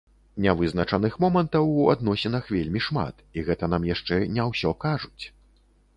Нявызначаных момантаў у адносінах вельмі шмат, і гэта нам яшчэ не ўсё кажуць.